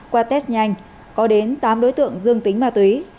qua test nhanh có đến tám đối tượng dương tính ma túy